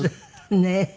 ねえ。